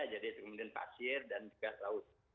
jadi kemudian pasir dan juga laut